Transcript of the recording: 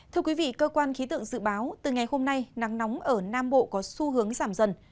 thưa quý vị cơ quan khí tượng dự báo từ ngày hôm nay nắng nóng ở nam bộ có xu hướng giảm dần